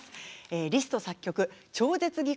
リスト作曲超絶技巧